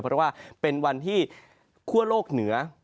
เพราะว่าเป็นวันที่คั่วโลกเหนือ